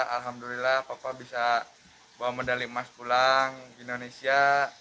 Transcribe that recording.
alhamdulillah papa bisa bawa medali emas pulang ke indonesia